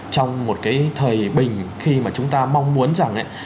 trong một cái thời bình khi mà chúng ta mong muốn rằng